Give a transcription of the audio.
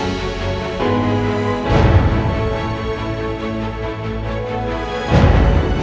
ya allah le